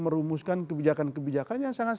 merumuskan kebijakan kebijakan yang sangat